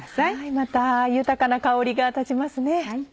また豊かな香りが立ちますね。